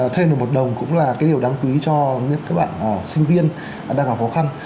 thêm được một đồng cũng là cái điều đáng quý cho các bạn sinh viên đang gặp khó khăn